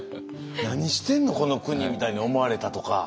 「何してんのこの国」みたいに思われたとか。